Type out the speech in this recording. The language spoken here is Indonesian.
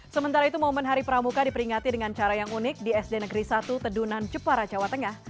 sementara itu momen hari pramuka diperingati dengan cara yang unik di sd negeri satu tedunan jepara jawa tengah